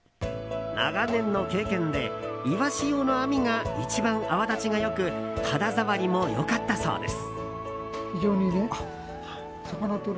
長年の経験でイワシ用の網が一番泡立ちが良く肌触りも良かったそうです。